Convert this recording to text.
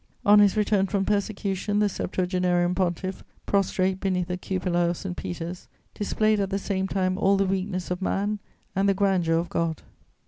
On his return from persecution, the septuagenarian Pontiff, prostrate beneath the cupola of St. Peter's, displayed at the same time all the weakness of man and the grandeur of God.